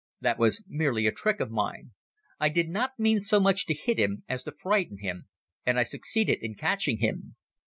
That was merely a trick of mine. I did not mean so much to hit him as to frighten him, and I succeeded in catching him.